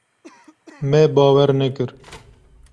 Me bawer nekir.